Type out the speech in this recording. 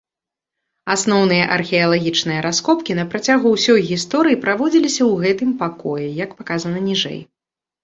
Асноўныя археалагічныя раскопкі на працягу ўсёй гісторыі праводзіліся ў гэтым пакоі, як паказана ніжэй.